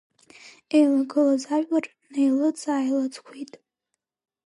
Еилагылаз ажәлар неилыҵ-ааилыҵқәеит.